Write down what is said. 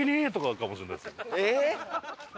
えっ！？